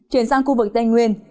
chuyển sang khu vực tây nguyên